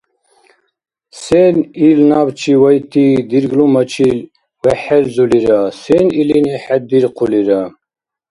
Сен ил набчи вайти дирглумачил вехӀхӀелзулира? Сен илини хӀедирхъулира?